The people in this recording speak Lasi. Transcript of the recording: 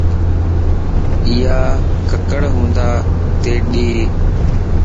ايا ڪڪڙ ھنڊا تي ڏي